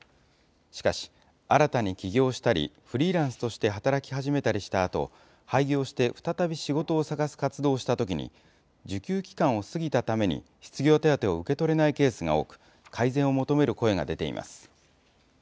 しかし、新たに起業したり、フリーランスとして働き始めたりしたあと、廃業して再び仕事を探す活動をしたときに、受給期間を過ぎたために失業手当を受け取れないケースが多く、改善を求める声が出ています。